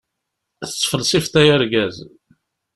Tettfelsifeḍ a yargaz.